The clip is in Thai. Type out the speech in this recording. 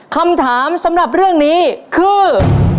คำถามสำหรับเรื่องนี้คือ